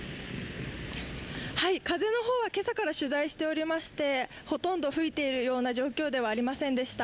風は今朝から取材しておりまして、ほとんど吹いている状況ではありませんでした。